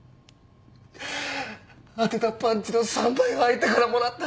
当てたパンチの３倍は相手からもらった。